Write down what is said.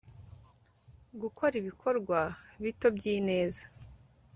gukora ibikorwa bito by'ineza